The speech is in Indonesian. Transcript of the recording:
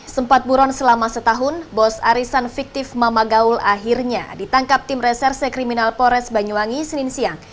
sempat buron selama setahun bos arisan fiktif mama gaul akhirnya ditangkap tim reserse kriminal pores banyuwangi senin siang